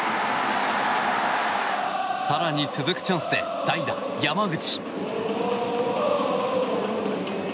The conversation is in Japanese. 更に続くチャンスで代打、山口。